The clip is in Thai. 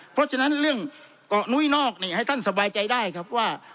เพราะฉะนั้นเรื่องเกาะนุ้ยนอกให้ท่านสบายใจได้ครับว่า